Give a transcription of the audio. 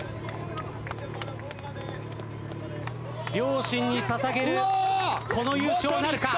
両親に捧げるこの優勝なるか？